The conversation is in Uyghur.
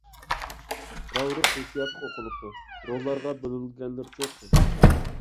راۋرۇس ھېسسىياتلىق ئوقۇلۇپتۇ. روللارغا بۆلۈنگەنلىرىچۇ تېخى!